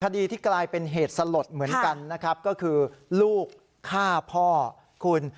คดีที่กลายเป็นเหตุสลดเหมือนกันนะครับก็คือลูกฆ่าพ่อคุณ